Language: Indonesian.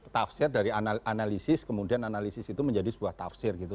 tafsir dari analisis kemudian analisis itu menjadi sebuah tafsir gitu